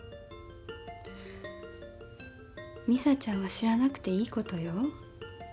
美沙ちゃんは知らなくていいことよ。